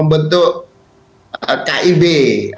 misalnya kemarin ada yang membentuk kib